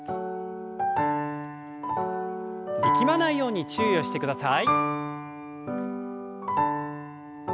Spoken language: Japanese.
力まないように注意をしてください。